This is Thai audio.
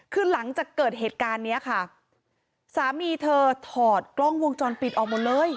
คือหลังจากเกิดเหตุการณ์เนี้ยค่ะสามีเธอถอดกล้องวงจรปิดออกหมดเลย